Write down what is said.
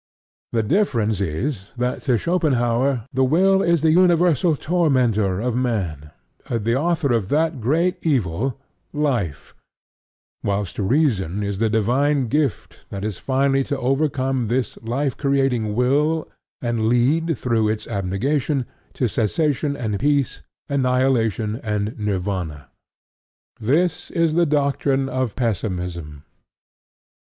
The difference is that to Schopenhaur the Will is the universal tormentor of man, the author of that great evil, Life; whilst reason is the divine gift that is finally to overcome this life creating will and lead, through its abnegation, to cessation and peace, annihilation and Nirvana. This is the doctrine of Pessimism.